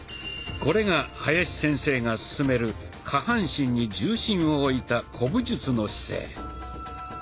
これが林先生が勧める下半身に重心を置いた「古武術の姿勢」。